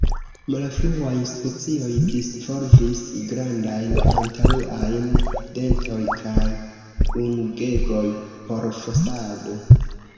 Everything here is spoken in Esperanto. Malfruaj specioj disvolvis grandajn antaŭajn dentoj kaj ungegoj por fosado.